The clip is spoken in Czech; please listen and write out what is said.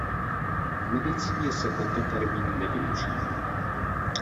V medicíně se tento termín nevyužívá.